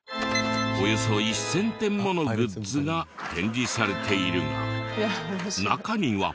およそ１０００点ものグッズが展示されているが中には。